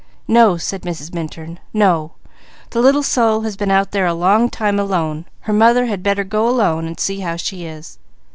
"No," said Mrs. Minturn. "No, the little soul has been out there a long time alone, her mother had better go alone and see how it is."